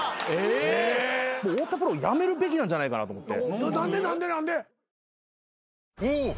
もう太田プロ辞めるべきなんじゃないかなと思って。